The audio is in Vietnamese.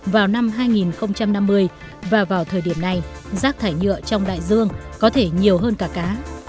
và vào thời điểm này rác thải nhựa trong đại dương có thể nhiều hơn cả cá